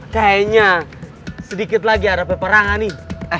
kayaknya sedikit lagi ada peperangan nih